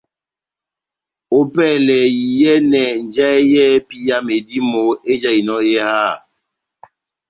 Ópɛlɛ ya iyɛ́nɛ njahɛ yɛ́hɛ́pi ya medímo ejahinɔ eháha.